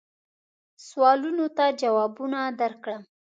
سوالونو ته جوابونه درکړم.